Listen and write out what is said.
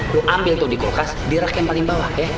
gue ambil tuh di kulkas di rak yang paling bawah ya